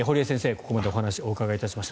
ここまでお話お伺いしました。